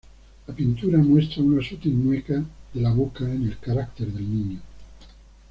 La pintura muestra una sutil mueca de la boca en el carácter del niño.